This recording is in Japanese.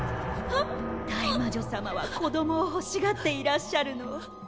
大魔女様は子供をほしがっていらっしゃるの。